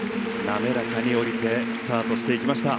滑らかに降りてスタートしていきました。